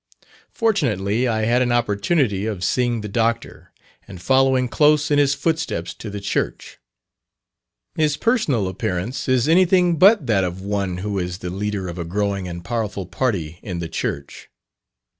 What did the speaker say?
Fortunately I had an opportunity of seeing the Dr., and following close in his footsteps to the church. His personal appearance is anything but that of one who is the leader of a growing and powerful party in the church.